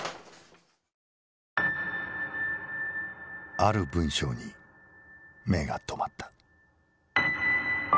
ある文章に目が留まった。